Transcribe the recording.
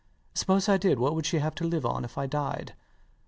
Suppose I did, what would she have to live on if I died?